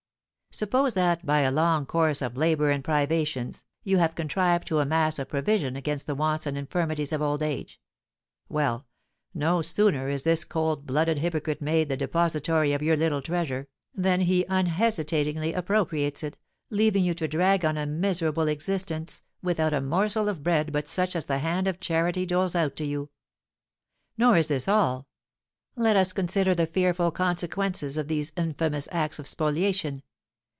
Suppose that, by a long course of labour and privations, you have contrived to amass a provision against the wants and infirmities of old age; well, no sooner is this cold blooded hypocrite made the depositary of your little treasure, than he unhesitatingly appropriates it, leaving you to drag on a miserable existence, without a morsel of bread but such as the hand of charity doles out to you. Nor is this all. Let us consider the fearful consequences of these infamous acts of spoliation.